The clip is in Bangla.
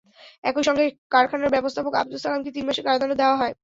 একই সঙ্গে কারখানার ব্যবস্থাপক আবদুস সালামকে তিন মাসের কারাদণ্ড দেওয়া হয়।